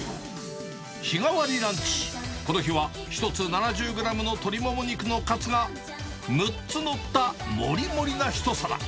日替わりランチ、この日は１つ７０グラムの鶏もも肉のカツが、６つ載ったもりもりな一皿。